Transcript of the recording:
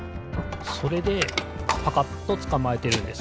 それでパカッとつかまえてるんです。